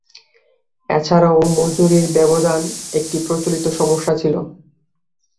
এছাড়াও মজুরির ব্যবধান একটি প্রচলিত সমস্যা ছিল।